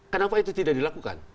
kenapa itu tidak dilakukan